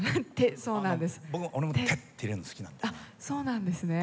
そうなんです。